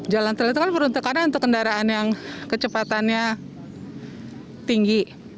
jalan tol itu kan peruntukannya untuk kendaraan yang kecepatannya tinggi